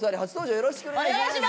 よろしくお願いします。